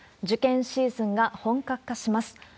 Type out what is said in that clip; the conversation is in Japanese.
受験シーズンが本格化します。